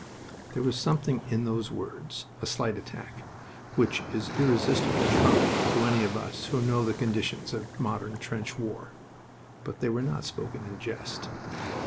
There was something in those words, "a slight attack," which is irresistibly comic to any of us who know the conditions of modern trench war. But they were not spoken in jest.